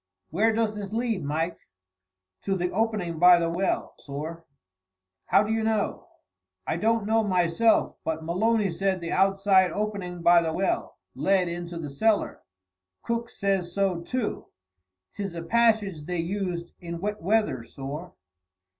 "Where does this lead, Mike?" "To the opening by the well, sorr." "How do you know?" "I don't know, myself, but Maloney said the outside opening by the well led into the cellar; Cook says so, too. 'Tis a passage they used in wet weather, sorr."